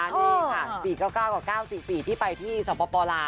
นี่ค่ะ๔๙๙กับ๙๔๔ที่ไปที่สปลาว